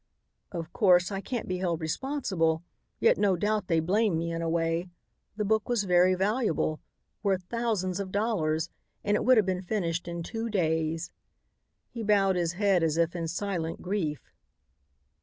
"Of course, I can't be held responsible, yet no doubt they blame me in a way. The book was very valuable worth thousands of dollars. And it would have been finished in two days." He bowed his head as if in silent grief.